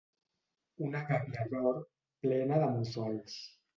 Una gàbia d'or, plena de mussols.